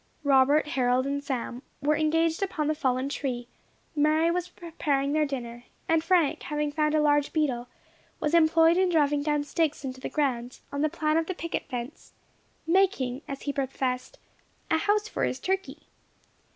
Robert, Harold, and Sam, were engaged upon the fallen tree; Mary was preparing their dinner, and Frank, having found a large beetle, was employed in driving down sticks into the ground, on the plan of the picket fence, "making," as he professed, "a house for his turkey."